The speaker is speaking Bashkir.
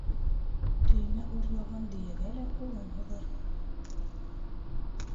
Төймә урлаған дөйәгә лә ҡулын һуҙыр.